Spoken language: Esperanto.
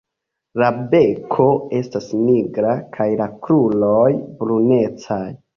La beko estas nigra kaj la kruroj brunecaj.